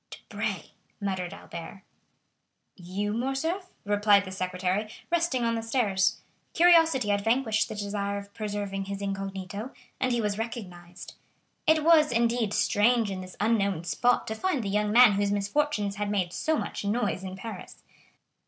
"Debray!" muttered Albert. "You, Morcerf?" replied the secretary, resting on the stairs. Curiosity had vanquished the desire of preserving his incognito, and he was recognized. It was, indeed, strange in this unknown spot to find the young man whose misfortunes had made so much noise in Paris.